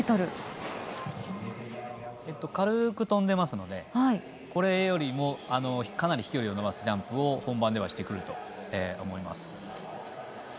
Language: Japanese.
軽く飛んでますのでこれよりもかなり飛距離を伸ばすジャンプを本番ではしてくると思います。